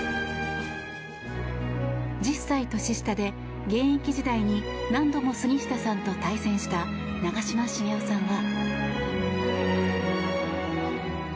１０歳年下で、現役時代に何度も杉下さんと対戦した長嶋茂雄さんは。